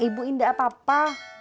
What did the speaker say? ibu indah apa apa